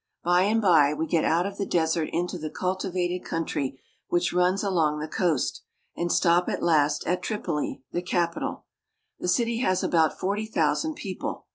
By and by, we get out of the desert into the cultivated country which runs along the coast, and stop at last at Tripoli, the capital. The city has about forty thousand people.